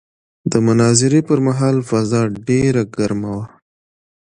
د مناظرې پر مهال فضا ډېره ګرمه وه.